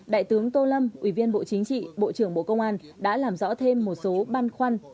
đại tướng tô lâm ủy viên bộ chính trị bộ trưởng bộ công an đã làm rõ thêm một số băn khoăn